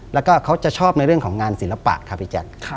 แล้วก็เขาจะชอบในเรื่องของงานศิลปะครับพี่แจ๊ค